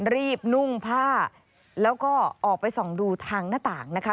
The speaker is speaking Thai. นุ่งผ้าแล้วก็ออกไปส่องดูทางหน้าต่างนะคะ